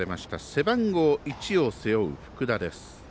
背番号１を背負う、福田です。